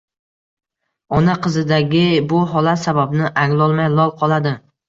Ona qizidagi bu holat sababini anglolmay, lol qoladi